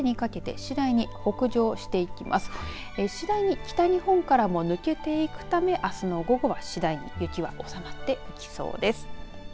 次第に北日本からも抜けていくためあすの午後は次第に雪は収まってきそうです。